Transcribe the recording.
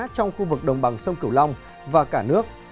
trong khu vực đồng bằng sông cửu long và cả nước